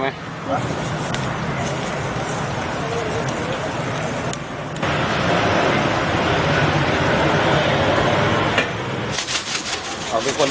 สวัสดีทุกคน